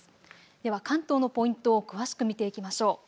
では関東のポイントを詳しく見ていきましょう。